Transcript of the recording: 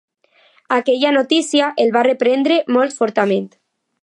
Aquella notícia el va reprendre molt fortament.